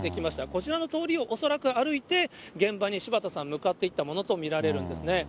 こちらの通りを恐らく歩いて、現場に柴田さん、向かっていったものと見られるんですね。